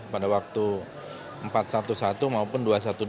pada waktu empat ratus sebelas maupun dua ratus dua belas